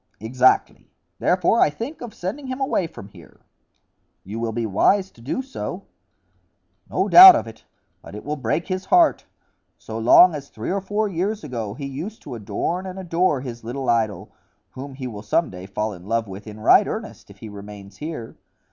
"Exactly; therefore I think of sending him away from here." "You will be wise to do so." "No doubt of it; but it will break his heart. So long as three or four years ago he used to adorn and adore his little idol, whom he will some day fall in love with in right earnest if he remains here.